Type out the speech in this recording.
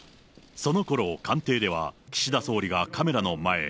そのころ、官邸では岸田総理がカメラの前へ。